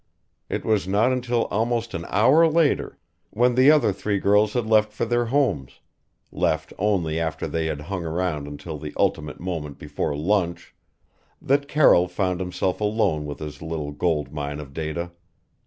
It was not until almost an hour later, when the other three girls had left for their homes left only after they had hung around until the ultimate moment before lunch that Carroll found himself alone with his little gold mine of data.